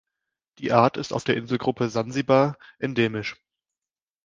Die Art ist auf der Inselgruppe Sansibar endemisch.